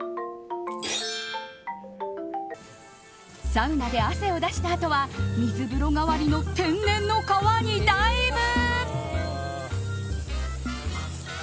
サウナで汗を出したあとは水風呂代わりの天然の川にダイブ！